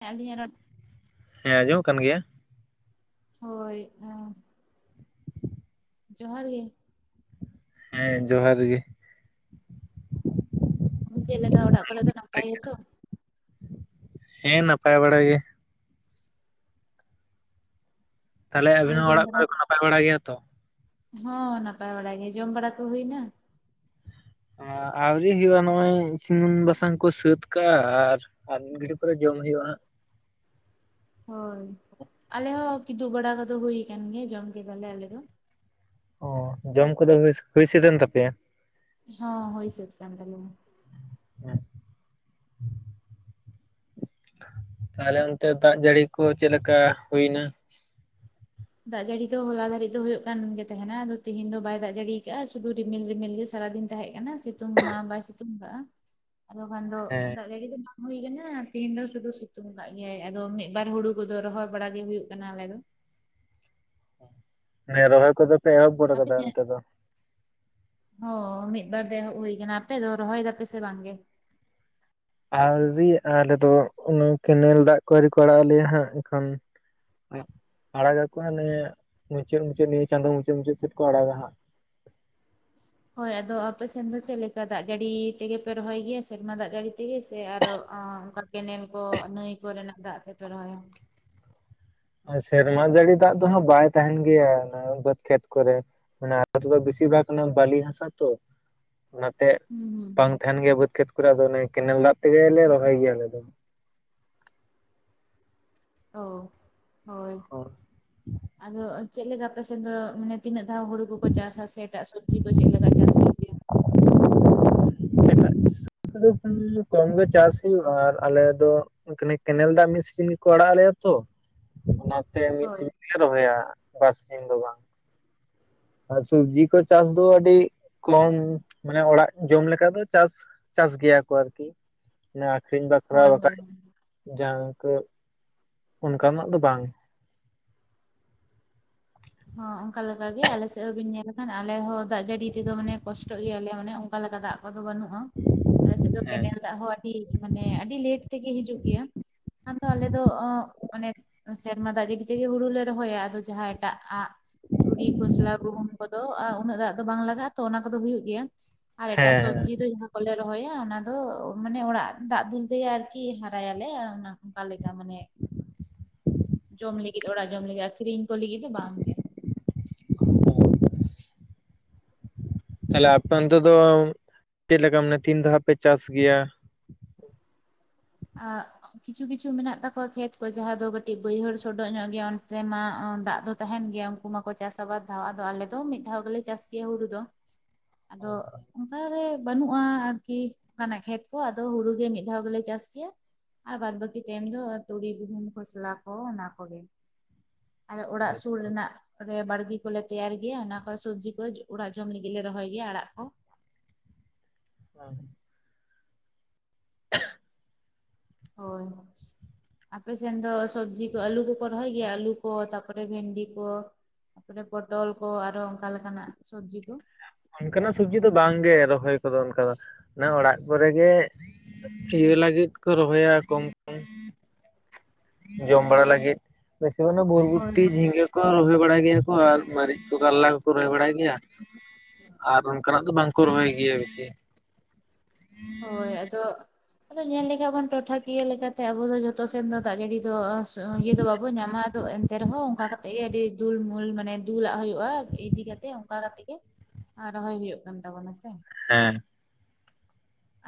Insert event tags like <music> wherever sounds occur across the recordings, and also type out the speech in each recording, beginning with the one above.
ᱦᱮᱸ ᱟᱞᱤᱧᱟᱜ ᱨᱚᱲ ᱦᱮᱸ ᱟᱸᱡᱢᱚᱜ ᱠᱟᱱ ᱜᱮᱭᱟ? ᱦᱳᱭ ᱮᱸ ᱡᱚᱸᱦᱟᱨ ᱜᱮ᱾ ᱦᱮᱸ ᱡᱚᱸᱦᱟᱨ ᱜᱮ᱾ ᱪᱮᱫ ᱞᱮᱠᱟ ᱚᱲᱟᱜ ᱠᱚᱨᱮ ᱫᱚ ᱱᱟᱯᱟᱭ ᱜᱮ ᱛᱚ? ᱦᱮᱸ ᱱᱟᱯᱟᱭ ᱵᱟᱲᱟ ᱜᱮ᱾ ᱛᱟᱦᱚᱞᱮ ᱦᱳᱭ ᱟᱵᱤᱱ ᱦᱚᱸ ᱡᱚᱢ ᱚᱲᱟᱜ ᱵᱟᱲᱟ ᱠᱚᱨᱮ ᱠᱚ ᱱᱟᱯᱟᱭ ᱵᱟᱲᱟ ᱜᱮᱭᱟ ᱛᱚ? ᱦᱚᱸ ᱱᱟᱯᱟᱭ ᱵᱟᱲᱟ ᱜᱮ᱾ ᱡᱚᱢ ᱵᱟᱲᱟ ᱠᱚ ᱦᱩᱭᱱᱟ? ᱟ ᱟᱹᱣᱨᱤ ᱦᱩᱭᱩᱜ-ᱟ ᱱᱚᱜ-ᱚᱭ ᱤᱥᱤᱱ ᱵᱟᱥᱟᱝ ᱠᱚ ᱥᱟᱹᱛ ᱠᱟᱜ-ᱟ ᱟᱨ ᱟᱨ ᱢᱤᱫ ᱜᱷᱟᱲᱤᱡ ᱯᱚᱨᱮ ᱡᱚᱢ ᱦᱩᱭᱩᱜ-ᱟ ᱦᱟᱸᱜ᱾ ᱦᱳᱭ᱾ ᱟᱞᱮ ᱦᱚᱸ ᱠᱤᱫᱩᱵ ᱵᱟᱲᱟ ᱠᱚᱫᱚ ᱦᱩᱭ ᱟᱠᱟᱱ ᱜᱮᱭᱟ ᱡᱚᱢ ᱠᱮᱫᱟᱞᱮ ᱟᱞᱮ ᱫᱚ᱾ ᱚ ᱡᱚᱢ ᱠᱚᱫᱚ ᱦᱩᱭ ᱦᱩᱭ ᱥᱹᱫ ᱮᱱ ᱛᱟᱯᱮᱭᱟ? ᱦᱚᱸ ᱦᱩᱭ ᱥᱟ. ᱛ ᱠᱟᱱ ᱛᱟᱞᱮᱭᱟ᱾ ᱦᱮᱸ᱾ ᱛᱟᱦᱚᱞᱮ ᱚᱱᱛᱮ ᱫᱟᱜ ᱡᱟᱹᱲᱤ ᱠᱚ ᱪᱮᱫ ᱞᱮᱠᱟ ᱦᱩᱭᱱᱟ᱾ ᱫᱟᱜ ᱡᱟᱹᱲᱤ ᱫᱚ ᱦᱚᱞᱟ ᱫᱟᱹᱨᱤᱡ ᱫᱚ ᱦᱩᱭᱩᱜ ᱠᱟᱱ ᱜᱮ ᱛᱟᱦᱮᱱᱟ ᱟᱫᱚ ᱛᱤᱦᱤᱧ ᱫᱚ ᱵᱟᱭ ᱫᱟᱜ ᱡᱟᱹᱲᱤᱣ ᱟᱠᱟᱜ-ᱟ ᱥᱩᱫᱩ ᱨᱤᱢᱤᱞ ᱨᱤᱢᱤᱞ ᱜᱮ ᱥᱟᱨᱟᱫᱤᱱ ᱛᱟᱦᱮᱸ ᱠᱟᱱᱟ ᱥᱤᱛᱩᱝ ᱢᱟ ᱵᱟᱭ ᱥᱤᱛᱩᱝ ᱠᱟᱜ-ᱟ᱾ ᱟᱫᱚ ᱠᱷᱟᱱ ᱫᱚ ᱫᱟᱜ ᱦᱮᱸ ᱡᱟᱹᱲᱤ ᱫᱚ ᱵᱟᱝ ᱦᱩᱭ ᱠᱟᱱᱟ ᱛᱤᱦᱤᱧ ᱫᱚ ᱥᱩᱫᱷᱩ ᱥᱤᱛᱩᱝ ᱟᱠᱟᱜ ᱜᱮᱭᱟᱭ ᱟᱫᱚ ᱢᱤᱫᱵᱟᱨ ᱦᱩᱲᱩ ᱠᱚᱫᱚ ᱨᱚᱦᱚᱭ ᱵᱟᱲᱟ ᱜᱮ ᱦᱩᱭᱩᱜ ᱠᱟᱱᱟ ᱟᱞᱮ ᱫᱚ᱾ ᱢᱟᱱᱮ ᱨᱚᱦᱚᱭ ᱠᱚᱫᱚ ᱯᱮ ᱮᱦᱚᱵ ᱜᱚᱫ ᱟᱯᱮ ᱟᱠᱟᱫᱟ ᱥᱮᱱ ᱚᱱᱛᱮ ᱫᱚ? ᱦᱚ᱾ ᱢᱤᱫ ᱵᱟᱨ ᱫᱚ ᱮᱦᱚᱵ ᱦᱩᱭ ᱟᱠᱟᱱᱟ᱾ ᱟᱯᱮ ᱫᱚ ᱨᱚᱦᱚᱭ ᱫᱟᱯᱮ ᱥᱮ ᱵᱟᱝᱜᱮ? ᱟᱣᱡᱤ ᱟᱞᱮᱫᱚ ᱚᱱᱟ ᱠᱮᱱᱮᱞ ᱫᱟᱜ ᱠᱚ ᱟᱹᱣᱨᱤ ᱠᱚ ᱟᱲᱟᱜ ᱟᱞᱮᱭᱟ ᱦᱟᱸᱜ ᱮᱠᱷᱚᱱ᱾ ᱟᱲᱟᱜ ᱟᱠᱚ ᱦᱟᱱᱮ ᱢᱩᱪᱟᱹᱫᱽ ᱢᱩᱪᱟᱹᱫᱽ ᱱᱤᱭᱟᱹ ᱪᱟᱸᱫᱳ ᱢᱩᱪᱟᱹᱫᱽ ᱢᱩᱪᱟᱹᱫᱽ ᱥᱮᱫ ᱠᱚ ᱟᱲᱟᱜᱟ ᱦᱟᱸᱜ᱾ ᱦᱳᱭ ᱟᱫᱚ ᱟᱯᱮ ᱥᱮᱱ ᱫᱚ ᱪᱮᱫ ᱞᱮᱠᱟ ᱫᱟᱜ ᱡᱟᱹᱲᱤ ᱛᱮᱜᱮ ᱯᱮ ᱨᱚᱦᱚᱭ ᱜᱮᱭᱟ ᱥᱮᱨᱢᱟ ᱫᱟᱜ ᱡᱟᱹᱲᱤ ᱛᱮᱜᱮ ᱥᱮ ᱟᱨᱚ ᱚᱸ ᱚᱱᱠᱟ ᱠᱮᱱᱮᱞ ᱠᱚ ᱱᱟᱹᱭ ᱠᱚᱨᱮᱱᱟᱜ ᱫᱟᱜ ᱛᱮᱯᱮ ᱨᱚᱦᱚᱭᱟ? ᱥᱮᱨᱢᱟ ᱡᱟᱹᱲᱤ ᱫᱟᱜ ᱫᱚ ᱦᱟᱸᱜ ᱵᱟᱭ ᱛᱟᱦᱮᱱ ᱜᱮᱭᱟ ᱚᱱᱟ ᱵᱟᱹᱫᱽ ᱠᱷᱮᱛ ᱠᱚᱨᱮ᱾ ᱢᱟᱱᱮ ᱟ <unintelligible> ᱫᱚ ᱵᱮᱥᱤᱨ ᱵᱷᱟᱜ ᱠᱟᱱᱟ ᱵᱟᱹᱞᱤ ᱦᱟᱥᱟ ᱛᱚ᱾ ᱚᱱᱟᱛᱮ ᱦᱩᱸ ᱵᱟᱝ ᱦᱩᱸ ᱛᱟᱦᱮᱸᱱ ᱜᱮᱭᱟ ᱵᱟᱹᱫᱽ ᱠᱷᱮᱛ ᱠᱚᱨᱮᱫᱚ ᱚᱱᱮ ᱠᱮᱱᱮᱞ ᱫᱟᱜ ᱛᱮᱜᱮᱞᱮ ᱨᱚᱦᱚᱭ ᱜᱮᱭᱟ ᱟᱞᱮ ᱫᱚ᱾ ᱚ ᱦᱳᱭ᱾ <inaudible> ᱟᱫᱚ ᱪᱮᱫᱞᱮᱠᱟ ᱟᱯᱮ ᱥᱮᱫ ᱫᱚ ᱢᱟᱱᱮ ᱛᱤᱱᱟᱹᱜ ᱫᱷᱟᱣ ᱦᱩᱲᱩ ᱠᱚᱠᱚ ᱪᱟᱥᱟ ᱥᱮ ᱮᱴᱟᱜ ᱥᱚᱵ ᱡᱤ ᱠᱚ ᱪᱮᱫ ᱞᱮᱠᱟ ᱪᱟᱥ ᱦᱩᱭᱩᱜ ᱜᱮᱭᱟ? ᱮᱴᱟᱜ ᱫᱚ ᱠᱚᱢ ᱜᱮ ᱪᱟᱥ ᱦᱳᱭᱳᱼᱟ, ᱟᱨ ᱟᱞᱮ ᱫᱚ ᱮᱸ ᱠᱮᱱᱮᱞ ᱫᱟᱜ ᱢᱤᱫ ᱥᱤᱡᱤᱱ ᱜᱮᱠᱚ ᱟᱲᱟᱜ ᱟᱞᱮᱭᱟ ᱛᱚ, ᱚᱱᱟᱛᱮ ᱢᱤᱫ ᱦᱳᱭ ᱥᱤᱡᱤᱱᱞᱮ ᱨᱚᱦᱚᱭᱟ ᱵᱟᱨ ᱥᱤᱡᱤᱱ ᱫᱚ ᱵᱟᱝ᱾ ᱟᱨ ᱥᱚᱵᱡᱤ ᱠᱚ ᱪᱟᱥ ᱫᱚ ᱟᱹᱰᱤ ᱠᱚᱢ ᱢᱟᱱᱮ ᱚᱲᱟᱜ ᱡᱚᱢ ᱞᱮᱠᱟ ᱫᱚ ᱪᱟᱥ ᱪᱟᱥ ᱜᱮᱭᱟ ᱠᱚ ᱟᱨᱠᱤ᱾ ᱡᱟᱦᱟᱸ ᱟᱠᱷᱨᱤᱧ ᱵᱟᱠᱷᱨᱟ ᱦᱳᱭ ᱦᱳᱭ ᱵᱟᱠᱷᱟᱡ ᱡᱟᱦᱟᱸ ᱠᱟᱹᱪ ᱚᱱᱠᱟᱱᱟᱜ ᱫᱚ ᱵᱟᱝ᱾ ᱦᱚᱸ ᱚᱱᱠᱟ ᱜᱮ ᱟᱞᱮ ᱥᱮᱫ ᱦᱚᱸᱵᱤᱱ ᱧᱮᱞ ᱮᱱᱠᱷᱟᱱ ᱟᱞᱮ ᱦᱚᱸ ᱫᱟᱜ ᱡᱟᱹᱲᱤ ᱛᱚ ᱢᱟᱱᱮ ᱠᱚᱥᱴᱚᱜ ᱜᱮᱭᱟᱞᱮ ᱢᱟᱱᱮ ᱚᱱᱠᱟ ᱞᱮᱠᱟ ᱫᱟᱜ ᱠᱚᱫᱚ ᱵᱟᱹᱱᱩᱜ ᱟ ᱟᱞᱮ ᱥᱮ ᱫᱚ ᱦᱮᱸ ᱠᱮᱱᱮᱞ ᱫᱟᱜ ᱦᱚᱸ ᱟᱹᱰᱤ ᱢᱟᱱᱮ ᱟᱹᱰᱤ ᱞᱮᱴ ᱛᱮᱜᱮ ᱦᱤᱡᱩᱜ ᱜᱮᱭᱟ, ᱟᱫᱚ ᱟᱞᱮ ᱫᱚ ᱢᱟᱱᱮ ᱥᱮᱨᱢᱟ ᱫᱟᱜ ᱡᱟᱹᱲᱤ ᱛᱮᱜᱮ ᱦᱩᱲᱩ ᱞᱮ ᱨᱚᱦᱚᱭᱟ, ᱟᱫᱚ ᱡᱟᱦᱟᱸ ᱮᱴᱟᱜ ᱟᱜ ᱛᱩᱲᱤ ᱠᱷᱚᱥᱞᱟ ᱜᱩᱦᱩᱢ ᱠᱚᱫᱚ ᱟ ᱩᱱᱟᱹᱜ ᱫᱟᱜ ᱫᱚ ᱵᱟᱝ ᱞᱟᱜᱟᱜᱼᱟ ᱛᱚ ᱚᱱᱟ ᱠᱚᱫᱚ ᱦᱩᱭᱩᱜ ᱜᱮᱭᱟ᱾ ᱟᱨ ᱮᱴᱟᱜ ᱦᱮᱸ ᱦᱮᱸ ᱥᱚᱵᱽᱡᱤ ᱫᱚ ᱡᱟᱦᱟᱸ ᱠᱚᱞᱮ ᱨᱚᱦᱚᱭᱟ ᱚᱱᱟ ᱫᱚ ᱢᱟᱱᱮ ᱚᱲᱟᱜ ᱫᱟᱜ ᱫᱩᱞ ᱛᱮᱜᱮ ᱟᱨᱠᱤ ᱦᱟᱨᱟᱭᱟᱞᱮ ᱚᱱᱟ᱾ ᱚᱝᱠᱟ ᱞᱮᱠᱟ ᱢᱟᱱᱮ ᱡᱚᱢ ᱞᱟᱹᱜᱤᱫ ᱚᱲᱟᱜ ᱡᱚᱢ ᱞᱟᱹᱜᱤᱫ ᱟᱠᱷᱨᱤᱧ ᱠᱚ ᱞᱟᱹᱜᱤᱫ ᱫᱚ ᱵᱟᱝ ᱜᱮ᱾ <unintelligible> ᱛᱟᱦᱞᱮ ᱟᱯᱮ ᱚᱱᱛᱮ ᱫᱚ ᱪᱮᱫ ᱞᱮᱠᱟ ᱢᱟᱱᱮ ᱛᱤᱱ ᱫᱷᱟᱣ ᱯᱮ ᱪᱟᱥ ᱜᱮᱭᱟ? ᱟᱜ ᱠᱤᱪᱷᱩ ᱠᱤᱪᱷᱩ ᱢᱮᱱᱟᱜ ᱛᱟᱠᱚᱣᱟ ᱠᱷᱮᱛ ᱠᱚ ᱡᱟᱦᱟᱸ ᱫᱚ ᱠᱟᱹᱴᱤᱡ ᱵᱟᱹᱭᱦᱟᱹᱲ ᱥᱚᱰᱚᱜ ᱧᱚᱜ ᱜᱮᱭᱟ ᱚᱱᱛᱮ ᱢᱟ ᱫᱟᱜ ᱫᱚ ᱛᱟᱦᱮᱸᱱ ᱜᱮᱭᱟ, ᱩᱝᱠᱩ ᱢᱟᱠᱚ ᱪᱟᱥᱟ ᱵᱟᱨ ᱫᱷᱟᱣ, ᱟᱫᱚ ᱟᱞᱮ ᱫᱚ ᱢᱤᱫ ᱫᱷᱟᱣ ᱜᱮᱞᱮ ᱪᱟᱥ ᱜᱮᱭᱟ ᱦᱩᱲᱩ ᱫᱚ᱾ ᱟᱫᱚ ᱚᱱᱠᱟ ᱜᱮ ᱵᱟᱹᱱᱩᱜᱼᱟ ᱟᱨᱠᱤ ᱚᱱᱠᱟᱱᱟᱜ ᱠᱷᱮᱛ ᱠᱚ, ᱟᱫᱚ ᱦᱩᱲᱩᱜᱤ ᱢᱤᱫ ᱫᱷᱟᱣ ᱜᱮᱞᱮ ᱪᱟᱥ ᱜᱮᱭᱟ ᱟᱨ ᱵᱟᱫᱽ ᱵᱟᱹᱠᱤ ᱴᱟᱭᱤᱢ ᱫᱚ ᱛᱩᱲᱤ ᱜᱩᱦᱩᱢ ᱠᱷᱚᱥᱞᱟ ᱠᱚ ᱚᱱᱟ ᱠᱚᱜᱮ᱾ ᱟᱨ ᱚᱲᱟᱜ ᱥᱩᱨ ᱨᱮᱱᱟᱜ ᱠᱚᱨᱮ ᱵᱟᱲᱜᱤ ᱠᱚᱞᱮ ᱛᱮᱭᱟᱨ ᱜᱮᱭᱟ ᱚᱱᱟ ᱠᱚᱨᱮ ᱥᱚᱵᱽᱡᱤ ᱠᱚ ᱚᱲᱟᱜ ᱡᱚᱢ ᱞᱟᱹᱜᱤᱫ ᱞᱮ ᱨᱚᱦᱚᱭ ᱜᱮᱭᱟ ᱟᱲᱟᱜ ᱠᱚ ᱾ ᱦᱩᱸ᱾ ᱦᱳᱭ᱾ ᱟᱯᱮ ᱥᱮᱱ ᱫᱚ ᱥᱚᱵᱽᱡᱤ ᱠᱚ ᱟᱹᱞᱩ ᱠᱚᱠᱚ ᱨᱚᱦᱚᱭ ᱜᱮᱭᱟ ᱟᱹᱞᱩ ᱠᱚ ᱛᱟᱯᱚᱨᱮ ᱵᱷᱮᱱᱰᱤ ᱠᱚ ᱛᱟᱯᱚᱨᱮ ᱯᱚᱴᱚᱞ ᱠᱚ ᱟᱨᱦᱚᱸ ᱚᱱᱠᱟ ᱞᱮᱠᱟᱱᱟᱜ ᱥᱚᱵᱡᱤ ᱠᱚ? ᱚᱱᱠᱟᱱᱟᱜ ᱥᱚᱵᱡᱤ ᱫᱚ ᱵᱟᱝᱜᱮ ᱨᱚᱦᱚᱭ ᱠᱚᱫᱚ ᱚᱱᱠᱟ ᱫᱚ, ᱚᱱᱮ ᱚᱲᱟᱜ ᱠᱚᱨᱮ ᱜᱮ ᱤᱭᱟᱹ ᱞᱟᱹᱜᱤᱫ ᱠᱚ ᱨᱚᱦᱚᱭᱟ ᱠᱚᱢ ᱠᱚᱢ᱾ ᱡᱚᱢ ᱵᱟᱲᱟ ᱞᱟᱹᱜᱤᱫ ᱵᱮᱥᱤᱨ ᱵᱷᱟᱜ ᱦᱳᱭ ᱵᱩᱨᱵᱚᱴᱤ ᱦᱳᱭ ᱡᱷᱤᱸᱜᱟᱹ ᱠᱚ ᱨᱚᱦᱚᱭ ᱵᱟᱲᱟᱭ ᱜᱮᱭᱟ ᱠᱚ ᱟᱨ ᱢᱟᱹᱨᱤᱪ ᱠᱚ ᱠᱟᱨᱞᱟ ᱠᱚᱠᱚ ᱨᱚᱦᱚᱭ ᱵᱟᱲᱟᱭ ᱜᱮᱭᱟ᱾ ᱟᱨ ᱚᱱᱠᱟᱱᱟᱜ ᱫᱚ ᱵᱟᱝᱠᱚ ᱨᱚᱦᱚᱭ ᱜᱮᱭᱟ ᱵᱮᱥᱤ᱾ ᱦᱳᱭ ᱟᱫᱚ ᱟᱫᱚ ᱧᱮᱞ ᱞᱮᱠᱷᱟ ᱵᱚᱱ ᱴᱚᱴᱷᱟᱠᱤᱭᱟᱹ ᱞᱮᱠᱟᱛᱮ ᱟᱵᱚ ᱫᱚ ᱡᱷᱚᱛᱚ ᱥᱮᱱ ᱫᱚ ᱫᱟᱜ ᱡᱟᱹᱲᱤ ᱫᱚ ᱤᱭᱟᱹ ᱫᱚ ᱵᱟᱵᱚᱱ ᱧᱟᱢᱟ, ᱟᱫᱚ ᱛᱮ ᱨᱮᱦᱚᱸ ᱚᱱᱠᱟ ᱠᱟᱛᱮ ᱜᱮ ᱟᱹᱰᱤ ᱫᱩᱞᱢᱩᱞ ᱢᱟᱱᱮ ᱫᱩᱞᱟᱜ ᱦᱩ ᱭᱩᱜᱼᱟ ᱤᱫᱤ ᱠᱟᱛᱮᱜ ᱚᱱᱠᱟ ᱠᱟᱛᱮ ᱜᱮ ᱟᱸ ᱨᱚᱦᱚᱭ ᱦᱩᱭᱩᱜ ᱠᱟᱱ ᱛᱟᱵᱚᱱᱟ ᱥᱮ? ᱦᱮᱸ᱾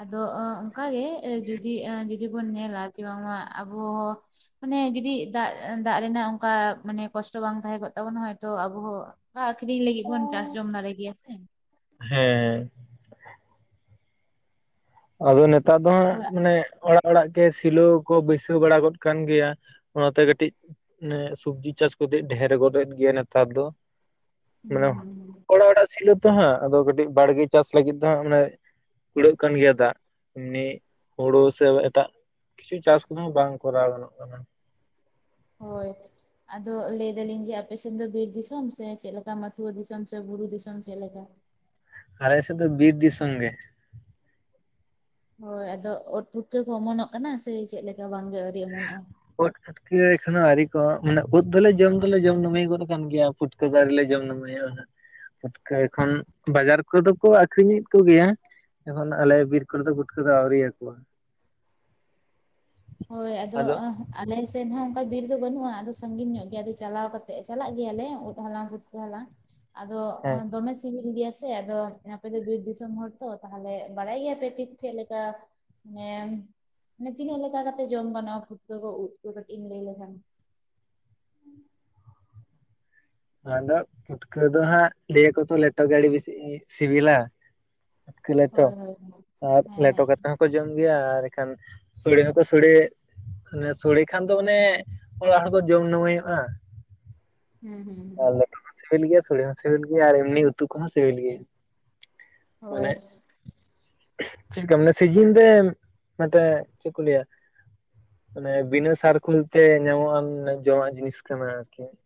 ᱟᱫᱚ ᱚᱝᱠᱟᱜᱮ ᱡᱩᱫᱤ ᱡᱩᱫᱤ ᱵᱚᱱ ᱧᱮᱞᱟ ᱡᱮ ᱵᱟᱝᱢᱟ ᱟᱵᱚ ᱦᱚᱸ ᱢᱟᱱᱮ, ᱡᱩᱚᱫᱤ ᱫᱟᱜ, ᱫᱟᱜ ᱨᱮᱱᱟᱜ, ᱚᱱᱠᱟ ᱢᱟᱱᱮ ᱠᱚᱥᱴᱚ, ᱵᱟᱝ ᱛᱟᱦᱮᱸ ᱠᱚᱜ, ᱛᱟᱵᱚᱱᱟ ᱾ ᱦᱚᱭ ᱛᱚ ᱟᱵᱚ ᱦᱚᱸ, ᱫᱟ ᱟᱠᱷᱨᱤᱧ ᱞᱟᱹᱜᱤᱫ, ᱵᱚᱱ ᱪᱟᱥ ᱡᱚᱢ ᱫᱟᱲᱮ ᱜᱮᱭᱟ ᱥᱮ? ᱦᱮᱸᱻ ᱾ ᱟᱫᱚ ᱱᱮᱛᱟᱨ ᱫᱚ ᱦᱟᱸᱜ, ᱦᱳᱭ ᱢᱟᱱᱮ, ᱚᱲᱟᱜ, ᱚᱲᱟᱜ ᱜᱮ, ᱥᱤᱞᱚ ᱠᱚ, ᱵᱟᱹᱭᱥᱟᱹᱣ ᱵᱟᱲᱟ ᱜᱚᱫ, ᱠᱟᱱ ᱜᱮᱭᱟ, ᱚᱱᱟᱛᱮ ᱠᱟᱹᱴᱤᱡ‌, ᱢᱮ, ᱥᱚᱵᱽᱡᱤ ᱪᱟᱥ ᱠᱟᱛᱮᱜ, ᱰᱷᱮᱨ ᱜᱚᱫ ᱮᱫ ᱜᱮᱭᱟ, ᱱᱮᱛᱟᱨ ᱫᱚ ᱦᱩᱸ ᱢᱟᱱᱮ ᱦᱩᱸ ᱦᱩᱸ ᱾ ᱚᱲᱟᱜ ᱚᱲᱟᱜ, ᱥᱤᱞᱚᱜ ᱛᱚ ᱦᱟᱸᱜ, ᱟᱫᱚ ᱠᱟᱹᱴᱤᱡ, ᱵᱟᱲᱜᱮ ᱪᱟᱥ ᱞᱟᱹᱜᱤᱫ ᱫᱚ ᱦᱟᱸᱜ, ᱢᱟᱱᱮ, ᱠᱩᱲᱟᱹᱜ ᱠᱟᱱ ᱜᱮᱭᱟ ᱾ ᱪᱮᱫᱟᱜ? ᱮᱢᱱᱤ ᱦᱳᱲᱳ, ᱥᱮ ᱮᱴᱟᱜ ᱠᱤᱪᱷᱩ, ᱪᱟᱥ ᱠᱚᱫᱚ, ᱵᱟᱝ ᱠᱚᱨᱟᱣ ᱜᱟᱱᱚᱜ ᱠᱟᱱᱟ ᱾ ᱦᱳᱭ ᱾ ᱟᱫᱚ, ᱞᱟᱹᱭ ᱮ ᱫᱟᱞᱤᱧ ᱡᱮ, ᱟᱯᱮ ᱥᱮᱫ ᱫᱚ, ᱵᱤᱨ ᱫᱤᱥᱚᱢ ᱥᱮ, ᱪᱮᱫ ᱞᱮᱠᱟ ᱢᱟᱴᱷᱩᱣᱟᱹ ᱫᱤᱥᱚᱢ, ᱥᱮ ᱵᱩᱨᱩ ᱫᱤᱥᱚᱢ ᱪᱮᱫ ᱞᱮᱠᱟ? ᱟᱞᱮ ᱥᱮᱫ ᱫᱚ, ᱵᱤᱨ ᱫᱤᱥᱚᱢ ᱜᱮ ᱾ ᱦᱳᱭ, ᱟᱫᱚ, ᱩᱫ ᱯᱩᱴᱠᱟ ᱠᱚ, ᱚᱢᱚᱱᱚᱜ ᱠᱟᱱᱟ, ᱥᱮ ᱪᱮᱞᱮᱠᱟ, ᱵᱟᱝ ᱜᱮ ᱟᱹᱣᱨᱤ, ᱚᱢᱚᱱᱚᱜᱼᱟ? ᱳᱫ, ᱠᱤᱲᱟᱹᱭ ᱮᱠᱷᱚᱱᱳ ᱟᱹᱣᱨᱤ ᱠᱚ, ᱢᱟᱱᱮ ᱩᱫ ᱫᱚᱞᱮ ᱡᱚᱢ, ᱫᱚᱞᱮ ᱡᱚᱢ ᱱᱟᱢᱟᱹᱭ, ᱜᱚᱫ ᱟᱠᱟᱫ ᱜᱮᱭᱟ, ᱯᱷᱩᱴᱠᱟᱹ ᱫᱚ ᱟᱹᱣᱨᱤ ᱞᱮ, ᱡᱚᱢ ᱱᱟᱢᱟᱹᱭ ᱚᱜᱼᱟ ᱾ ᱴᱟᱴᱠᱟ ᱮᱠᱷᱚᱱ, ᱵᱟᱡᱟᱨ ᱠᱚᱫᱚ ᱠᱚ, ᱟᱠᱷᱨᱤᱧᱮᱫ ᱠᱚ ᱜᱮᱭᱟ ᱾ ᱮᱠᱷᱚᱱ, ᱟᱞᱮ ᱵᱤᱨ ᱠᱚᱨᱮ ᱫᱚ, ᱜᱩᱴᱠᱟᱹ ᱫᱚ, ᱟᱹᱣᱨᱤ ᱭᱟᱠᱚᱣᱟ ᱾ ᱦᱳᱭ! ᱟᱫᱚ, ᱟ ᱟᱞᱮ ᱥᱮᱫ ᱦᱚᱸ, ᱚᱱᱠᱟ ᱵᱤᱨ ᱫᱚ, ᱵᱟᱹᱱᱩᱜᱼᱟ ᱾ ᱟᱫᱚ, ᱥᱟᱺᱜᱤᱧ ᱧᱚᱜ ᱜᱮᱭᱟ, ᱪᱟᱞᱟᱣ ᱠᱟᱛᱮ, ᱪᱟᱞᱟᱜ ᱜᱮᱭᱟ ᱞᱮ, ᱩᱫ ᱦᱟᱞᱟᱝ ᱾ ᱛᱟᱦᱮᱱᱟ ᱾ ᱟᱫᱚ ᱦᱮᱸ ᱫᱚᱢᱮ, ᱥᱤᱵᱤᱞ ᱜᱮᱭᱟ ᱥᱮ, ᱟᱫᱚ, ᱟᱯᱮ ᱫᱚ ᱵᱤᱨ ᱫᱤᱥᱚᱢ ᱦᱚᱲ ᱛᱚ, ᱛᱟᱦᱚᱞᱮ, ᱵᱟᱲᱟᱭ ᱜᱮᱭᱟ ᱯᱮ ᱛᱚ ᱪᱮᱫ ᱞᱮᱠᱟ? ᱦᱮᱸᱼ ᱢ ᱛᱤᱱᱟᱹᱜ ᱞᱮᱠᱟ ᱠᱟᱛᱮᱜ, ᱡᱚᱢ ᱜᱟᱱᱚᱜᱼᱟ, ᱯᱷᱩᱴᱠᱟᱹ ᱠᱚ, ᱩᱫ ᱠᱚ, ᱠᱟᱹᱴᱤᱡ ᱮᱢ, ᱞᱟᱹᱭ ᱞᱮᱠᱷᱟᱱ? ᱟᱫᱚ, ᱯᱷᱩᱴᱠᱟᱹ ᱫᱚ ᱦᱟᱸᱜ, ᱞᱟᱹᱭ ᱠᱚ ᱛᱚ, ᱞᱮᱴᱚ ᱜᱮ ᱟᱹᱰᱤ ᱵᱤᱥᱤ ᱥᱤᱵᱤᱞᱟ ᱾ ᱯᱩᱴᱠᱟ ᱞᱮᱴᱚ, ᱦᱳᱭ ᱦᱳᱭ ᱦᱳᱭ ᱟᱨ ᱦᱮᱸ ᱞᱮᱴᱚ ᱦᱮᱸ ᱠᱟᱛᱮ ᱠᱚ, ᱡᱚᱢ ᱜᱮᱭᱟ, ᱟᱨ ᱮᱱᱠᱷᱟᱱ, ᱥᱚᱲᱮ ᱦᱚᱸ ᱠᱚ ᱥᱚᱲᱮ‌, ᱚᱱᱮ ᱥᱚᱲᱮ ᱠᱷᱟᱱ ᱫᱚ, ᱢᱟᱱᱮ, ᱚᱲᱟᱜ ᱦᱚᱲ ᱠᱚ, ᱡᱚᱢ ᱱᱟᱢᱟᱹᱭ ᱚᱜᱼᱟ ᱾ ᱦᱩᱸᱻ ᱦᱩᱸ ᱾ ᱟᱨ, ᱞᱮᱴᱩ ᱠᱚ ᱦᱚᱸ, ᱥᱤᱵᱤᱞ ᱜᱮᱭᱟ, ᱥᱳᱲᱮ ᱦᱚᱸ ᱥᱤᱵᱤᱞ ᱜᱮᱭᱟ, ᱟᱨ ᱮᱢᱱᱤ ᱩᱛᱩ ᱠᱚᱦᱚᱸ, ᱥᱤᱵᱤᱞ ᱜᱮᱭᱟ ᱾ ᱦᱳᱭ ᱢᱟᱱᱮ, ᱪᱷᱤᱸᱼ ᱪᱮᱫ ᱞᱮᱠᱟ ᱢᱟᱱᱮ? ᱥᱤᱡᱤᱱ ᱨᱮ, ᱢᱟᱱᱮ, ᱪᱮᱫ ᱠᱚ ᱞᱟᱹᱭᱟ? ᱢᱟᱱᱮ, ᱵᱤᱱᱟᱹ ᱥᱟᱨᱠᱳᱞ ᱛᱮ, ᱧᱟᱢᱚᱜ ᱟᱱ ᱡᱚᱢᱟᱜ ᱡᱤᱱᱤᱥ ᱠᱟᱱᱟ ᱟᱨᱠᱤ ᱾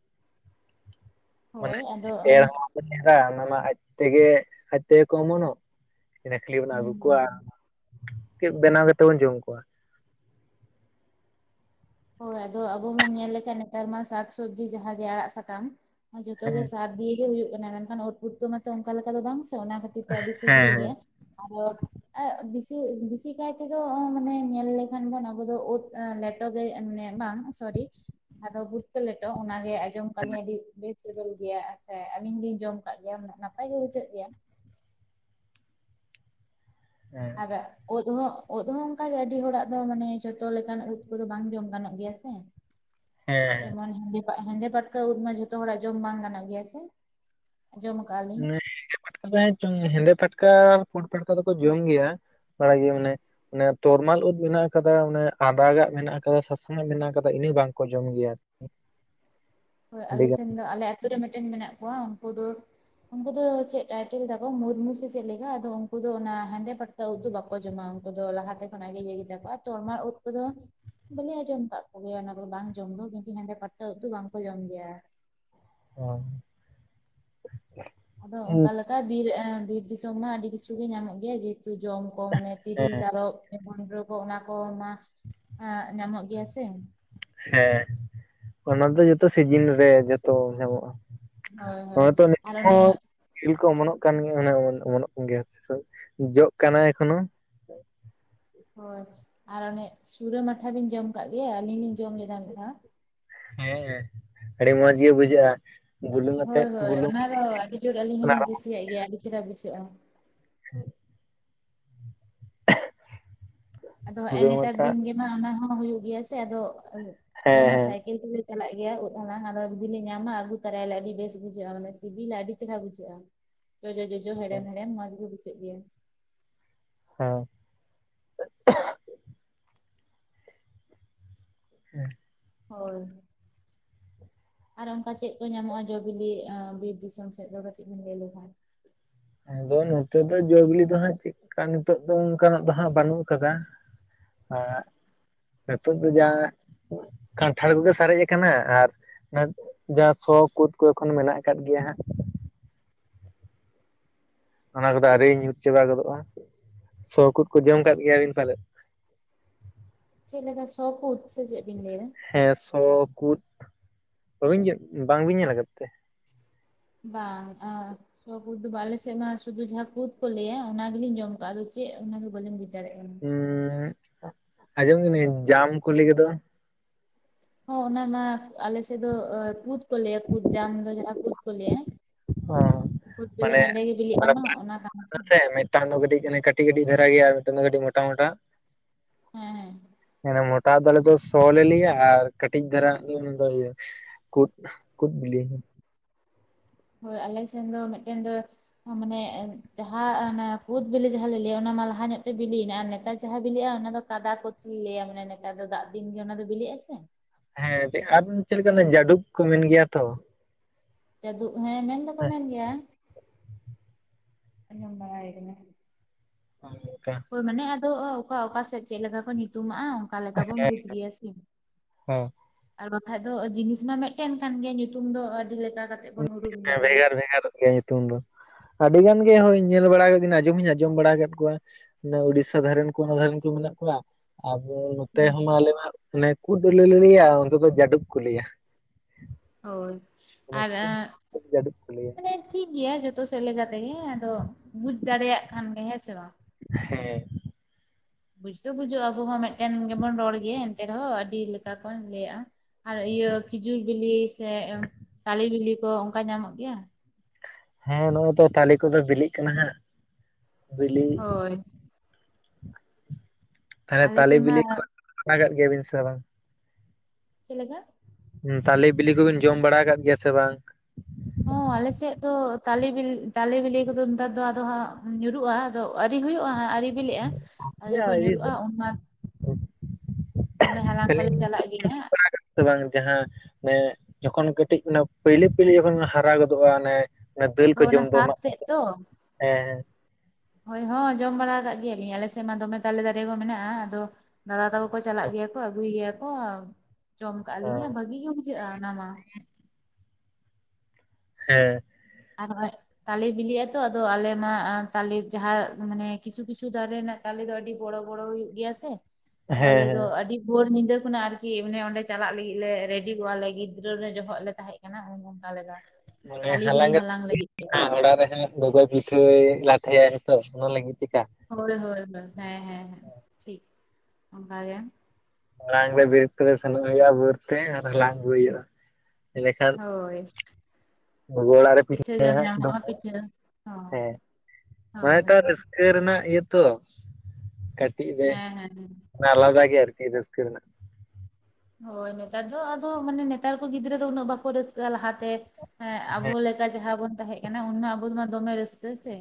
ᱦᱳᱭ, ᱟᱫᱚ ᱚᱱᱮ <inaudible> ᱪᱮᱦᱨᱟ, ᱚᱱᱟ ᱢᱟ ᱟᱡᱽ ᱛᱮᱜᱮ ᱟᱡᱽ ᱛᱮᱜᱮ ᱠᱚ, ᱢᱚᱱᱚᱜ, ᱠᱷᱟᱹᱞᱤ ᱵᱚᱱ, ᱟᱹᱜᱩ ᱦᱩᱸ ᱠᱚᱣᱟ ᱾ ᱪᱮᱫ ᱵᱮᱱᱟᱣ ᱠᱟᱛᱮᱫ ᱵᱚᱱ, ᱡᱚᱢ ᱠᱚᱣᱟ ᱾ ᱦᱳᱭ, ᱟᱫᱚ, ᱟᱵᱚ ᱵᱚᱱ ᱧᱮᱞ ᱞᱮᱠᱷᱟᱱ, ᱱᱮᱛᱟᱨ ᱢᱟ, ᱥᱟᱠ ᱥᱚᱵᱽᱡᱤ ᱡᱟᱦᱟᱸᱜᱮ, ᱟᱲᱟᱜ ᱥᱟᱠᱟᱢ, ᱡᱚᱛᱚ ᱜᱮ, ᱦᱮᱸ ᱥᱟᱨ ᱫᱤᱭᱮ ᱜᱮ, ᱦᱩᱭᱩᱜᱜ ᱠᱟᱱᱟ, ᱢᱮᱱᱠᱷᱟᱱ, ᱩᱫ ᱯᱩᱴᱠᱟ ᱢᱟᱛᱚ, ᱚᱱᱠᱟ ᱞᱮᱠᱟ ᱫᱚ, ᱵᱟᱝ ᱥᱮ, ᱚᱱᱟ ᱫᱤ ᱛᱮ, ᱟᱹᱰᱤ ᱥᱤᱵᱤᱞ ᱦᱮᱸ ᱜᱮᱭᱟ ᱾ ᱟᱨᱚ, ᱟᱭᱮᱼᱮᱜ, ᱵᱤ ᱵᱮᱥᱤ ᱠᱟᱭ ᱛᱮᱫᱚ, ᱢᱟᱱᱮ ᱧᱮᱞ ᱞᱮᱠᱷᱟᱱ ᱵᱚᱱ, ᱟᱵᱚ ᱫᱚ, ᱩᱫ ᱞᱮᱴᱚ‌, ᱞᱟᱹᱭ ᱮᱜᱼᱟ ᱢᱟᱱᱮ, ᱵᱟᱝ! ᱥᱚᱨᱤ, ᱡᱟᱦᱟᱸ ᱫᱚ ᱵᱩᱴᱠᱟᱹ ᱞᱮᱴᱚ, ᱚᱱᱟᱜᱮ ᱟᱸᱡᱚᱢ ᱟᱠᱟᱫ ᱦᱮᱸ ᱞᱤᱧ, ᱟᱹᱰᱤ ᱵᱮᱥ ᱥᱮᱵᱮᱞ ᱜᱮᱭᱟ, ᱟᱪᱪᱷᱟ! ᱟᱹᱞᱤᱧ ᱞᱤᱧ ᱡᱚᱢ ᱠᱟᱜ ᱜᱮᱭᱟ, ᱱᱟᱯᱟᱭ ᱜᱮ, ᱵᱩᱡᱷᱟᱹᱜ ᱜᱮᱭᱟ ᱾ ᱟᱨᱚ ᱩᱫ ᱦᱚᱸ, ᱩᱫ‌ ᱦᱚᱸ ᱚᱱᱠᱟ ᱜᱮ, ᱟᱹᱰᱤ ᱦᱚᱲᱟᱜ ᱫᱚ, ᱢᱟᱱᱮ, ᱡᱚᱛᱚ ᱞᱮᱠᱟᱱ ᱩᱫ ᱠᱚᱫᱚ, ᱵᱟᱝ ᱡᱚᱢ ᱜᱟᱱᱚᱜ, ᱜᱮᱭᱟ ᱥᱮ ᱾ <unintelligible> ᱦᱮᱸ ᱡᱮᱢᱚᱱ ᱦᱮᱸᱫᱮ, ᱦᱮᱸᱫᱮ ᱯᱩᱴᱠᱟᱹ ᱩᱫ ᱢᱟ, ᱡᱷᱚᱛᱚ ᱦᱚᱲᱟᱜ, ᱡᱚᱢ ᱵᱟᱝ ᱜᱟᱱᱚᱜ, ᱜᱮᱭᱟ ᱥᱮ ᱡᱚᱢ? ᱢᱟᱱᱮ ᱦᱮᱸᱫᱮ ᱯᱩᱴᱠᱟ, ᱦᱮᱸᱫᱮ ᱯᱷᱟᱴᱠᱟ, ᱯᱩᱸᱰ ᱯᱷᱟᱴᱠᱟ ᱫᱚᱠᱚ, ᱡᱚᱢ ᱜᱮᱭᱟ ᱾ ᱵᱟᱲᱟᱭ ᱜᱮᱭᱟ, ᱢᱟᱱᱮ ᱚᱱᱮ, ᱛᱚᱨᱢᱟᱞ ᱩᱫ ᱢᱮᱱᱟᱜ ᱟᱠᱟᱫᱟ, ᱚᱱᱮ ᱟᱫᱟᱸᱜ ᱜᱟᱜ ᱢᱮᱱᱟᱜ ᱟᱠᱟᱫᱟ, ᱥᱟᱥᱟᱝᱼᱟᱜ ᱢᱮᱱᱟᱜ ᱟᱠᱟᱫᱟ, ᱤᱱᱟᱹ ᱵᱟᱝᱠᱚ ᱡᱚᱢ ᱜᱮᱭᱟ ᱾ ᱦᱳᱭ ᱟᱞᱮ ᱥᱮᱱ ᱫᱚ ᱟᱞᱮ ᱟᱹᱛᱩ ᱨᱮ ᱢᱤᱫᱴᱮᱱ ᱢᱮᱱᱟᱜ ᱠᱚᱣᱟ ᱩᱱᱠᱩ ᱫᱚ ᱩᱱᱠᱩ ᱫᱚ ᱪᱮᱫ ᱴᱟᱭᱴᱮᱞ ᱫᱟᱠᱚ ᱢᱩᱩᱨᱢᱩ ᱥᱮ ᱪᱮᱫ ᱞᱮᱠᱟ᱾ ᱟᱫᱚ ᱩᱱᱠᱩ ᱫᱚ ᱚᱱᱟ ᱦᱮᱫᱮᱸ ᱯᱟᱴ ᱩᱫᱽ ᱫᱚ ᱵᱟᱠᱚ ᱡᱚᱢᱟ ᱩᱱᱠᱩ ᱫᱚ᱾ ᱞᱟᱦᱟᱛᱮ ᱠᱷᱚᱱᱟᱜ ᱜᱮ ᱤᱭᱟᱹ ᱜᱮᱛᱟ ᱠᱚᱣᱟ ᱟᱨ ᱛᱚᱨᱢᱟᱨ ᱩᱫᱽ ᱠᱚᱫᱚ ᱵᱟᱹᱞᱤᱧ ᱟᱸᱡᱚᱢ ᱠᱟᱫ ᱠᱚᱜᱮᱭᱟ ᱚᱱᱟ ᱠᱚᱫᱚ ᱵᱟᱝ ᱡᱚᱢ ᱫᱚ ᱠᱤᱱᱛᱩ ᱦᱮᱫᱮᱸ ᱯᱟᱴᱟ ᱩᱫᱽ ᱫᱚ ᱵᱟᱝᱠᱚ ᱡᱚᱢ ᱜᱮᱭᱟ᱾ ᱚ᱾ ᱟᱫᱚ ᱚᱠᱟ ᱞᱮᱠᱭ ᱵᱤᱨ ᱮ ᱵᱤᱨ ᱫᱤᱥᱚᱢ ᱢᱟ ᱟᱹᱰᱤ ᱠᱤᱪᱷᱩ ᱜᱮ ᱧᱟᱢᱚᱜ ᱜᱮᱭᱟ ᱡᱮ ᱛᱩ ᱡᱚᱢ ᱠᱚ ᱢᱟᱱᱮ ᱛᱤᱨᱤᱞ, ᱛᱟᱨᱚ᱾ ᱡᱮᱢᱚᱱ ᱨᱳ ᱠᱚ ᱚᱱᱟ ᱠᱚ ᱢᱟ ᱟᱸ ᱧᱟᱢᱚᱜ ᱜᱮᱭᱟ ᱥᱮ᱾ ᱦᱮᱸ ᱚᱱᱟ ᱫᱚ ᱡᱷᱚᱛᱚ ᱥᱤᱡᱤᱱ ᱨᱮ ᱡᱷᱚᱛᱚ ᱧᱟᱢᱚᱜᱼᱟ᱾ ᱦᱳᱭ ᱦᱚᱸ ᱦᱳᱭ ᱛᱚ ᱟᱨ ᱚᱱᱮ ᱱᱤᱛᱦᱚᱸ ᱛᱤᱨᱤᱞ ᱠᱚ ᱚᱢᱚᱱᱚᱜ ᱠᱟᱱ ᱜᱮᱭᱟ ᱚᱱᱮ ᱚᱢᱚᱱᱚᱜ ᱠᱟᱱ ᱜᱮᱭᱟ ᱡᱚᱜ ᱠᱟᱱᱟ ᱮᱠᱷᱚᱱᱳ᱾ ᱦᱳᱭ ᱟᱨ ᱚᱱᱮ ᱪᱩᱨᱟᱹ ᱢᱟᱴᱷᱟ ᱵᱤᱱ ᱡᱚᱢ ᱟᱠᱟᱜ ᱜᱮᱭᱟ? ᱟᱹᱞᱤᱧ ᱞᱤᱧ ᱡᱚᱢ ᱞᱮᱫᱟ ᱢᱤᱫ ᱫᱷᱟᱣ᱾ ᱦᱮᱸ ᱦᱮᱸ ᱟᱹᱰᱤ ᱢᱚᱸᱡᱽ ᱜᱮ ᱵᱩᱡᱷᱟᱹᱜᱼᱟ᱾ ᱵᱩᱞᱩᱝ ᱦᱳᱭ ᱟᱛᱮᱫ ᱦᱳᱭ ᱵᱩᱞᱩᱝ ᱚᱱᱟ ᱫᱚ ᱟᱹᱰᱤᱡᱳᱨ ᱟᱹᱞᱤᱧ ᱦᱚᱞᱤᱧ ᱠᱩᱥᱤᱭᱟᱜ ᱜᱮᱭᱟ ᱟᱹᱰᱤ ᱪᱮᱨᱦᱟ ᱵᱩᱡᱷᱟᱹᱜᱼᱟ᱾ ᱦᱮᱸ᱾ ᱟᱫᱚ ᱦᱮᱸᱜ-ᱮ ᱥᱩᱨᱟᱹᱢ ᱱᱮᱛᱟᱨ ᱟᱛᱮᱫ ᱫᱤᱱ ᱜᱮᱢᱟ ᱚᱱᱟ ᱦᱚᱸ ᱦᱩᱭᱩᱜ ᱜᱮᱭᱟ ᱥᱮ ᱟᱫᱚ ᱟᱞᱮᱢᱟ ᱦᱮᱸ ᱥᱟᱭ ᱠᱮᱞ ᱛᱮᱞᱮ ᱪᱟᱞᱟᱜ ᱜᱮᱭᱟ ᱩᱫᱽ ᱦᱟᱞᱟᱝ᱾ ᱟᱫᱚ ᱡᱩᱫᱤᱞ ᱞᱮ ᱧᱟᱢᱟ ᱟᱹᱜᱩ ᱛᱚᱨᱟᱭᱟᱞᱮ, ᱟᱹᱰᱤ ᱵᱮᱥ ᱵᱩᱡᱷᱟᱹᱜᱼᱟ ᱢᱟᱱᱮ ᱥᱤᱵᱤᱞᱟ ᱟᱹᱰᱤ ᱪᱨᱦᱟ ᱵᱩᱡᱷᱟᱹᱜᱼᱟ᱾ ᱡᱚᱡᱚ-ᱡᱚᱡᱚ ᱦᱮᱲᱮᱢ-ᱦᱮᱲᱮᱢ ᱢᱚᱸᱡᱽ ᱜᱮ ᱵᱩᱡᱷᱟᱹᱜ ᱜᱮᱭᱟ᱾ ᱦᱮᱸ᱾ ᱦᱮᱸ᱾ ᱦᱳᱭ᱾ ᱟᱨ ᱚᱱᱠᱟ ᱪᱮᱫ ᱠᱚ ᱧᱟᱢᱚᱜᱼᱟ ᱡᱚᱼᱵᱤᱞᱤ ᱟᱸ ᱵᱤᱨ ᱫᱤᱥᱚᱢ ᱥᱮᱫ ᱫᱚ ᱠᱟᱹᱴᱤᱡ ᱵᱤᱱ ᱞᱟᱹᱭ ᱞᱮᱠᱷᱟᱱ᱾ ᱟᱫᱚ ᱱᱚᱛᱚᱜ ᱫᱚ ᱡᱚ ᱵᱤᱞᱤ ᱫᱚᱦᱟᱸᱜ ᱪᱮᱫᱠᱟ ᱱᱤᱛᱚᱜ ᱫᱚ ᱚᱱᱠᱟᱱᱟᱜ ᱫᱚ ᱦᱟᱸᱜ ᱵᱟᱹᱱᱩᱜ ᱟᱠᱟᱫᱟ᱾ <unintelligible> ᱱᱤᱛᱚᱜ ᱫᱚ ᱡᱟ ᱠᱟᱱᱴᱷᱟᱲ ᱠᱚᱜᱮ ᱥᱟᱨᱮᱡ ᱟᱠᱟᱱᱟ ᱟᱨ ᱡᱟᱦᱟᱸ ᱥᱚ ᱠᱩᱫᱽ ᱠᱚ ᱮᱠᱷᱚᱱ ᱢᱮᱱᱟᱜ ᱟᱠᱟᱫ ᱜᱮᱭᱟ ᱦᱟᱸᱜ᱾ ᱚᱱᱟ ᱠᱚᱫᱚ ᱟᱣᱨᱤ ᱧᱩᱨ ᱪᱟᱵᱟ ᱜᱚᱫᱚᱜᱼᱟ᱾ ᱥᱚ ᱠᱩᱫᱽ ᱠᱚ ᱡᱚᱢ ᱟᱠᱟᱫ ᱜᱮᱭᱟᱵᱤᱱ ᱯᱟᱞᱮᱫ? ᱪᱮᱫ ᱞᱮᱠᱟ ᱥᱚ ᱠᱩᱫᱽ ᱥᱮ ᱪᱮᱫ ᱵᱤᱱ ᱞᱟᱹᱭᱮᱫᱟ? ᱦᱮᱸ ᱥᱚ ᱠᱩᱫᱽ ᱵᱟᱵᱤᱱ ᱡᱚ ᱵᱟᱝᱵᱤᱱ ᱧᱮᱞ ᱟᱠᱟᱫ ᱛᱮ? ᱵᱟᱝ ᱟ᱾ ᱥᱚ ᱠᱩᱫᱽ ᱫᱚ ᱵᱟ᱾ ᱟᱞᱮᱥᱮᱫ ᱢᱟ ᱥᱩᱫᱷᱩ ᱡᱟᱦᱟᱸ ᱠᱩᱫᱽ ᱠᱚ ᱞᱟᱹᱭᱟ ᱚᱱᱟᱜᱮᱞᱤᱧ ᱡᱚᱢ ᱟᱠᱟᱜᱼᱟ ᱟᱫᱚ ᱪᱮᱫ ᱚᱱᱟ ᱵᱟᱞᱤᱧ ᱵᱩᱡ ᱫᱟᱲᱮᱜ ᱠᱟᱱᱟ᱾ ᱩᱸᱜ ᱟᱸᱡᱚᱢ ᱠᱟᱹᱱᱟᱹᱧ ᱡᱟᱢ ᱠᱚ ᱞᱟᱹᱭ ᱜᱮᱫᱚ᱾ ᱦᱚᱸ ᱚᱱᱟᱢᱟ ᱟᱞᱮᱥᱮᱫ ᱫᱚ ᱚ ᱠᱩᱫᱽ ᱠᱚ ᱞᱟᱹᱭᱟ ᱠᱩᱫᱽ ᱡᱟᱢ ᱫᱚ ᱡᱟᱦᱟᱸ ᱠᱩᱫ ᱠᱚ ᱞᱟᱹᱭᱟ᱾ ᱚ ᱠᱩᱫᱽ ᱵᱮᱞᱮ ᱢᱟᱱᱮ ᱦᱮᱸᱫᱮ ᱜᱮ ᱢᱟᱱᱮ ᱵᱤᱞᱤᱜᱼᱟ ᱵᱟᱨ ᱱᱚ ᱚᱱᱟ ᱠᱟᱱᱟ ᱥᱮ᱾ ᱢᱤᱫᱴᱟᱝ ᱫᱚ ᱠᱟᱹᱴᱤᱡ ᱚᱱᱮ ᱠᱟᱴᱤᱡ ᱠᱟᱴᱤᱡ ᱫᱷᱟᱨᱟ ᱜᱮᱭᱟ ᱟᱨ ᱢᱤᱫᱴᱟᱝ ᱫᱚ ᱠᱟᱹᱴᱤᱡ ᱢᱚᱴᱟ ᱢᱚᱴᱟ ᱦᱮᱸ ᱢᱚᱴ ᱛᱟᱨ ᱫᱚ ᱟᱞᱮ ᱫᱚ ᱥᱚ ᱞᱮ ᱞᱟᱹᱭᱟ ᱟᱨ ᱠᱟᱹᱴᱤᱡ ᱫᱷᱟᱨᱟ-ᱟᱭ ᱫᱚ ᱚᱱᱟ ᱫᱚ ᱤᱭᱟᱹ ᱠᱩᱫᱽ᱾ ᱠᱩᱫᱽ ᱵᱤᱞᱤ᱾ ᱦᱳᱭ ᱟᱞᱮ ᱥᱮᱫ ᱫᱚ ᱢᱮᱫᱴᱮᱱ ᱫᱚ ᱦᱚᱸ ᱢᱟᱱᱮ ᱡᱟᱦᱟᱸ ᱦᱟᱱᱟ ᱠᱩᱫᱽ ᱵᱤᱞᱤ ᱡᱟᱦᱟᱸ ᱞᱮ ᱞᱟᱹᱭᱟ ᱚᱱᱟ ᱢᱟ ᱞᱟᱦᱟ ᱧᱚᱜ ᱛᱮ ᱵᱤᱞᱤᱭᱮᱱᱟ ᱟᱨ ᱱᱮᱛᱟᱨ ᱡᱟᱦᱟᱸ ᱵᱤᱞᱤᱜᱼᱟ ᱚᱱᱟ ᱫᱚ ᱠᱟᱫᱟ ᱠᱩᱪᱤ ᱞᱟᱹᱭᱟ ᱢᱟᱱᱮ ᱱᱮᱛᱟᱨ ᱫᱚ ᱫᱟᱜ ᱫᱤᱱ ᱜᱮ ᱚᱱᱟ ᱫᱚ ᱵᱤᱞᱤᱜ-ᱟ ᱥᱮ᱾ ᱦᱮᱸ ᱟᱨ ᱪᱮᱫ ᱟᱨ ᱢᱤᱫ ᱪᱮᱫᱞᱮᱠᱟ ᱚᱱᱟ ᱡᱟᱹᱰᱩᱠ ᱠᱚ ᱢᱮᱱ ᱜᱮᱭᱟ ᱛᱚ᱾ ᱡᱟᱫᱩᱵ ᱦᱮᱸ ᱢᱮᱱ ᱫᱚᱠᱚ ᱢᱮᱱ ᱜᱮᱭᱟ᱾ ᱟᱸᱡᱚᱢ ᱵᱟᱲᱟᱭ ᱟᱠᱟᱱᱟ᱾ ᱦᱚᱭ ᱜᱚᱝᱠᱮ᱾ ᱦᱳᱭ ᱢᱟᱱᱮ ᱟᱫᱚ ᱚᱠᱟ ᱚᱠᱟᱥᱮᱫ ᱪᱮᱫ ᱞᱮᱠᱟ ᱠᱚ ᱧᱩᱛᱩᱢᱟᱜᱼᱟ ᱚᱠᱟᱞᱮᱠᱟᱵᱚᱱ ᱵᱩᱡᱽ ᱜᱮᱭᱟ ᱥᱮ᱾ ᱟᱨ ᱵᱟᱠᱷᱟᱱᱡ ᱫᱚ ᱡᱤᱱᱤᱥ ᱢᱟ ᱢᱤᱫᱴᱮᱱ ᱠᱟᱱ ᱜᱮᱭᱟ ᱧᱩᱛᱩᱢ ᱫᱚ ᱟᱹᱰᱤ ᱞᱮᱠᱟ ᱠᱟᱛ ᱵᱷᱮᱜᱟᱨ ᱵᱷᱮᱜᱟᱨᱚᱜ ᱜᱮᱭᱟ ᱧᱩᱛᱩᱢ ᱫᱚ ᱟᱹᱰᱤ ᱜᱟᱱ ᱜᱮ ᱦᱳᱭ ᱧᱮᱞ ᱵᱟᱲᱟ ᱟᱸᱡᱚᱢ ᱦᱚᱧ ᱟᱸᱚᱢ ᱵᱟᱲᱟ ᱟᱠᱟᱫ ᱠᱚᱣᱟ ᱚᱱᱮ ᱩᱰᱤᱥᱥᱟ ᱫᱷᱟᱨᱮᱱ ᱠᱚᱦᱚᱸ ᱢᱮᱱᱟᱜ ᱠᱚᱣᱟ ᱟᱵᱚ ᱱᱚᱛᱮ ᱦᱩᱸ ᱦᱚᱸᱢᱟ ᱟᱞᱮ ᱢᱟ ᱚᱱᱮ ᱠᱩᱫ ᱞᱮ ᱞᱟᱹᱭᱟ ᱚᱱᱛᱮ ᱫᱚ ᱡᱟᱹᱰᱩᱠ ᱠᱚ ᱞᱟᱹᱭᱟ ᱦᱳᱭ ᱚᱱᱮ ᱟᱨ ᱠᱩᱫ ᱡᱟᱹᱰᱩᱵ ᱠᱚ ᱞᱟᱹᱭᱟ ᱮᱸ ᱴᱷᱤᱠ ᱜᱮᱭᱟ ᱡᱷᱚᱛᱚ ᱥᱮᱫ ᱞᱮᱠᱟ ᱛᱮᱜᱮ ᱟᱫᱚ ᱵᱩᱡ ᱫᱟᱲᱮᱭᱟᱜ ᱠᱷᱟᱱ ᱜᱮ ᱦᱮᱸ ᱥᱮ ᱵᱟᱝ ᱦᱮᱸ ᱵᱩᱡᱽ ᱫᱚ ᱵᱩᱡᱷᱩᱜᱼᱟ ᱟᱵᱚ ᱢᱟ ᱢᱤᱫᱴᱟᱝ ᱜᱮᱵᱚᱱ ᱨᱚᱲ ᱜᱮᱭᱟ ᱮᱱᱛᱮ ᱨᱮᱦᱚᱸ ᱟᱹᱰᱤ ᱞᱮᱠᱟ ᱠᱚ ᱞᱟᱹᱭᱟᱜ ᱼᱟ ᱟᱨ ᱤᱭᱟᱹ ᱠᱷᱤᱡᱩᱨ ᱵᱤᱞᱤ ᱥᱮ ᱛᱟᱞᱮ ᱵᱤᱞᱤ ᱠᱚ ᱚᱱᱠᱟ ᱧᱟᱢᱚᱜ ᱜᱮᱭᱟ ᱦᱮᱸ ᱱᱚᱜ ᱚᱭ ᱛᱚ ᱛᱟᱞᱮ ᱠᱚᱫᱚ ᱵᱤᱞᱤᱜ ᱠᱟᱱᱟ ᱦᱟᱸᱜ ᱵᱤᱞᱤᱜ ᱦᱳᱭ ᱛᱟᱦᱞᱮ ᱟᱞᱮ ᱛᱟᱞᱮ ᱥᱮᱫ ᱢᱟ ᱵᱤᱞᱤ ᱠᱚ ᱡᱚᱢ ᱵᱟᱲᱟ ᱠᱟᱫ ᱜᱮᱭᱟᱵᱤᱱ ᱥᱮ ᱵᱟᱝ ᱪᱮᱫ ᱞᱮᱠᱟ ᱦᱩᱸ ᱛᱟᱞᱮ ᱵᱤᱞᱤ ᱠᱚᱵᱤᱱ ᱡᱚᱢ ᱵᱟᱲᱟ ᱟᱠᱟᱫ ᱜᱮᱭᱟ ᱥᱮ ᱵᱟᱝ? ᱦᱚᱸ ᱟᱞᱮᱥᱮᱫ ᱫᱚ ᱛᱟᱞᱮ ᱵᱤᱞ ᱛᱟᱞᱮ ᱵᱤᱞᱤ ᱠᱚᱫᱚ ᱱᱮᱛᱟᱨ ᱫᱚ ᱟᱫᱚ ᱦᱟᱸᱜ ᱧᱩᱨᱩᱜᱼᱟ ᱾ ᱫᱚ ᱟᱹᱣᱨᱤ ᱦᱩᱭᱩᱜᱼᱟ ᱟᱹᱣᱨᱤ ᱵᱤᱞᱤᱜᱼᱟ ᱡᱚᱠᱷᱚᱱ ᱧᱩᱨᱦᱩᱜᱼᱟ ᱚᱱᱟ ᱫᱚᱢᱮ ᱦᱟᱞᱟᱝ ᱦᱚᱞᱮ ᱪᱟᱞᱟᱜ ᱜᱮᱭᱟ ᱥᱮ ᱵᱟᱝ ᱡᱟᱦᱟᱸ ᱮ ᱡᱚᱠᱷᱚᱱ ᱠᱟᱹᱴᱤᱡ ᱚᱱᱟ ᱯᱟᱹᱭᱞᱟᱹ ᱯᱟᱹᱭᱞᱟᱹ ᱡᱚᱠᱷᱚᱱ ᱦᱟᱨᱟ ᱜᱚᱫᱚᱜᱼᱟ ᱚᱱᱮ ᱚᱱᱮ ᱫᱟᱹᱞ ᱠᱚ ᱦᱳᱭ ᱚᱱᱟ ᱡᱚᱢ ᱫᱚ ᱥᱟᱥ ᱛᱮᱫ <unintelligible> ᱦᱮᱸ ᱾ ᱦᱚᱭ ᱦᱚᱸ ᱡᱚᱢ ᱵᱟᱲᱟ ᱟᱠᱟᱫ ᱜᱮᱭᱟᱞᱤᱧ ᱟᱞᱮ ᱥᱮᱫ ᱢᱟ ᱫᱚᱢᱮ ᱛᱟᱞᱮ ᱫᱟᱨᱮ ᱠᱚ ᱢᱮᱱᱟᱜᱼᱟ ᱟᱫᱚ ᱫᱟᱫᱟ ᱛᱟᱠᱚ ᱠᱚ ᱪᱟᱞᱟᱜ ᱜᱮᱭᱟ ᱠᱚ ᱟᱹᱜᱩᱭ ᱜᱮᱭᱟ ᱠᱚ ᱡᱚᱢ ᱠᱟᱜ ᱦᱮᱸ ᱟᱞᱤᱧ ᱵᱷᱟᱹᱜᱤ ᱜᱮ ᱵᱩᱡᱷᱟᱹᱜᱼᱟ ᱚᱱᱟ ᱢᱟ ᱾ ᱦᱮᱸ ᱟᱨ ᱦᱚᱜᱚᱭ ᱛᱟᱞᱮ ᱵᱤᱞᱤᱜ ᱟᱛᱚ ᱟᱫᱚ ᱟᱞᱮ ᱢᱟ ᱛᱟᱞᱮ ᱡᱟᱦᱟᱸ ᱢᱟᱱᱮ ᱠᱤᱪᱷᱩ ᱠᱤᱪᱷᱩ ᱫᱟᱨᱮ ᱨᱮᱱᱟᱜ ᱛᱟᱞᱮ ᱫᱚ ᱟᱹᱰᱤ ᱵᱚᱲᱚ ᱵᱚᱲᱚ ᱦᱩᱭᱩᱜ ᱜᱮᱭᱟ ᱥᱮ ᱟᱫᱚ ᱦᱮᱸ ᱟᱞᱮ ᱫᱚ ᱦᱮᱸ ᱟᱹᱰᱤ ᱵᱷᱳᱨ ᱧᱤᱫᱟᱹ ᱠᱷᱚᱱᱟᱜ ᱟᱨᱠᱤ ᱢᱟᱱᱮ ᱚᱸᱰᱮ ᱪᱟᱞᱟᱜ ᱞᱟᱹᱜᱤᱫ ᱞᱮ ᱨᱮᱰᱤ ᱠᱚᱜᱼᱟ ᱞᱮ ᱜᱤᱫᱽᱨᱟᱹ ᱨᱮ ᱡᱚᱦᱚᱜ ᱞᱮ ᱛᱟᱦᱮᱸ ᱠᱟᱱᱟ ᱚᱱᱮ ᱚᱱᱠᱟ ᱞᱮᱠᱟ ᱢᱟᱱᱮ ᱛᱟᱞᱮ ᱵᱤᱞᱤ ᱦᱟᱞᱟᱝ ᱠᱟᱛᱮ ᱯᱮ ᱞᱟᱹᱜᱤᱫ ᱛᱮ ᱦᱤᱡᱩᱜᱼᱟ ᱚᱲᱟᱜ ᱨᱮ ᱦᱚᱸ ᱜᱚᱜᱚᱭ ᱯᱤᱴᱷᱟᱹᱭ ᱞᱟᱴᱷᱟᱭᱟᱭ ᱛᱚ ᱚᱱᱟ ᱞᱟᱹᱜᱤᱫ ᱪᱮᱠᱟ ᱦᱚᱭ ᱦᱚᱭ ᱦᱚᱭ ᱦᱮᱸ ᱦᱮᱸ ᱦᱮᱸ ᱴᱷᱤᱠ ᱚᱱᱠᱟ ᱜᱮ ᱢᱟᱲᱟᱝ ᱨᱮ ᱵᱮᱨᱮᱫ ᱛᱮᱞᱮ ᱥᱮᱱᱚᱜ ᱦᱩᱭᱩᱜᱼᱟ ᱵᱷᱩᱨᱛᱮ ᱟᱨ ᱦᱟᱞᱟᱝ ᱟᱹᱜᱩ ᱦᱩᱭᱩᱜᱼᱟ ᱮᱸᱰᱮᱠᱷᱟᱱ ᱦᱚᱭ ᱜᱚᱜᱚ ᱚᱲᱟᱜ ᱨᱮ ᱯᱤᱴᱷᱟᱹᱭᱟᱭ ᱦᱟᱜ ᱰᱳᱵᱳᱜ ᱯᱩᱡᱟ. ᱦᱮᱸ ᱢᱟᱱᱮ ᱛᱚ ᱨᱟᱹᱥᱠᱟᱹ ᱨᱮᱱᱟᱜ ᱤᱭᱟᱹ ᱛᱚ ᱠᱟ. ᱴᱤᱡ ᱵᱮ ᱦᱮᱸ ᱦᱮᱸ ᱦᱮᱸ ᱟᱞᱟᱫᱟ ᱜᱮᱭᱟ ᱟᱨᱠᱤ ᱨᱟᱹᱥᱠᱟᱹ ᱨᱮᱱᱟᱜ ᱾ ᱦᱳᱭ ᱱᱮᱛᱟᱨ ᱫᱚ ᱟᱫᱚ ᱢᱟᱱᱮ ᱱᱮᱛᱟᱨ ᱠᱚ ᱜᱤᱫᱽᱨᱟᱹ ᱫᱚ ᱩᱱᱟᱹᱜ ᱵᱟᱠᱚ ᱨᱟᱹᱥᱠᱟᱹᱜᱼᱟ ᱞᱟᱦᱟᱛᱮ ᱾ ᱮᱸᱫ ᱟᱵᱚ ᱦᱮᱸ ᱞᱮᱠᱟ ᱡᱟᱦᱟᱸ ᱵᱚᱱ ᱛᱟᱦᱮᱸᱜ ᱾ ᱠᱟᱱᱟ ᱩᱱᱢᱟ ᱟᱵᱚ ᱢᱟ ᱫᱚᱢᱮ ᱨᱟᱹᱥᱠᱟᱹ ᱥᱮ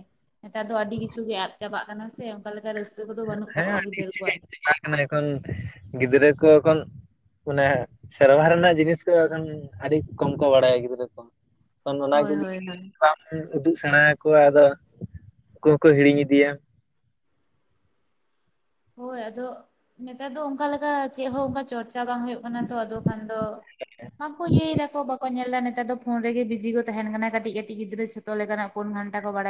ᱱᱮᱛᱟᱨ ᱫᱚ ᱟᱹᱰᱤ ᱠᱤᱪᱷᱩ ᱜᱮ ᱟᱫ ᱪᱟᱵᱟᱜ ᱠᱟᱱᱟ ᱥᱮ ᱚᱱᱠᱟ ᱞᱮᱠᱟ ᱨᱟᱹᱥ ᱠᱟᱹ ᱠᱚᱫᱚ ᱵᱟᱹᱱᱩᱜ ᱛᱟᱠᱚᱣᱟ ᱜᱤᱫᱽᱹᱨᱟᱹ ᱠᱚᱣᱟᱜ ᱢᱟᱱᱮ ᱮᱠᱷᱚᱱ ᱜᱤᱫᱽᱨᱟᱹ ᱠᱚ ᱮᱠᱷᱚᱱ ᱢᱟᱱᱮ ᱥᱮᱨᱣᱟ ᱨᱮᱱᱟᱜ ᱡᱤᱱᱤᱥ ᱠᱚ ᱮᱠᱷᱚᱱ ᱟᱹᱰᱤ ᱠᱚᱢ ᱠᱚ ᱵᱟᱰᱟᱭᱟ ᱜᱤᱫᱽᱨᱟᱹ ᱠᱚ ᱾ ᱮᱠᱷᱚᱱ ᱫᱚ ᱦᱳᱭ ᱚᱱᱟᱜᱮ ᱦᱳᱭ ᱦᱳᱭ ᱫᱩᱫᱩᱜ ᱥᱮᱬᱟ ᱟᱠᱚᱣᱟ ᱟᱫᱚ ᱩᱱᱠᱩ ᱦᱚᱸᱠᱚ ᱦᱤᱲᱤᱧ ᱤᱫᱤᱭᱟ ᱾ ᱦᱚᱭ ᱟᱫᱚ ᱱᱮᱛᱟᱨ ᱫᱚ ᱚᱱᱠᱟ ᱞᱮᱠᱟ ᱪᱮᱫ ᱦᱚᱸ ᱚᱱᱠᱟ ᱪᱚᱨᱪᱟ ᱵᱟᱝ ᱦᱩᱭᱩᱜ ᱠᱟᱱᱟ ᱛᱚ ᱟᱫᱚ ᱠᱷᱟᱱ ᱫᱚ ᱵᱟᱠᱚ ᱤᱭᱟᱹᱭ ᱫᱟᱠᱚ ᱵᱟᱠᱚ ᱧᱮᱞ ᱫᱟ ᱱᱮᱛᱟᱨ ᱫᱚ ᱯᱷᱚᱱ ᱨᱮᱜᱮ ᱵᱤᱡᱤ ᱠᱚ ᱛᱟᱦᱮᱱ ᱠᱟᱱᱟ ᱠᱟᱹᱴᱤᱡ ᱠᱟᱹᱴᱤᱡ ᱜᱤᱫᱽᱨᱟᱹ ᱡᱚᱛᱚ ᱞᱮᱠᱟᱱᱟᱜ ᱯᱷᱚᱱ ᱜᱷᱟᱱᱴᱟ ᱠᱚ ᱵᱟᱲᱟᱭᱟ ᱾